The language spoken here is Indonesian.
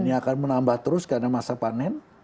ini akan menambah terus karena masa panen